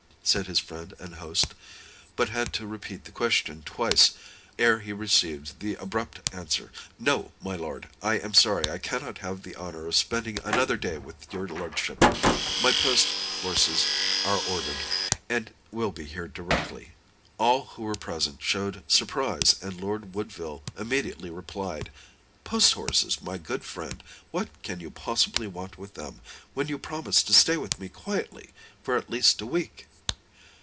said his friend and host, but had to repeat the question twice ere he received the abrupt answer: "No, my lord; I am sorry I cannot have the honor of spending another day with your lordship; my post horses are ordered, and will be here directly." All who were present showed surprise, and Lord Woodville immediately replied: "Post horses, my good friend! What can you possibly want with them, when you promised to stay with me quietly for at least a week?"